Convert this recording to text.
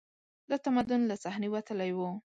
دا تمدن له صحنې وتلی و